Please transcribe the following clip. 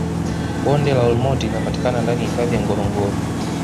bonde la olmoti linapatikana ndani ya hifadhi ya ngorongoro